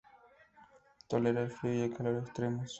Tolera el frío y calor extremos.